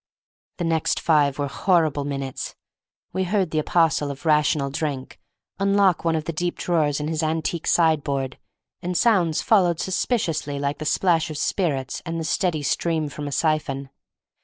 The next five were horrible minutes. We heard the apostle of Rational Drink unlock one of the deep drawers in his antique sideboard, and sounds followed suspiciously like the splash of spirits and the steady stream from a siphon.